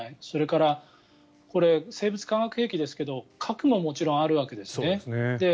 それから、生物・化学兵器ですが核ももちろんあるわけですね。